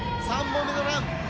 ３本目のラン。